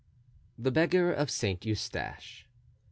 The Beggar of St. Eustache.